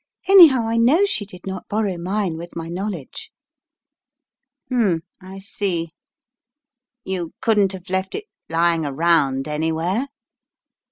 Any how, I know she did not borrow mine with my knowl edge." "Hmn, I see. You couldn't have left it lying around anywhere?"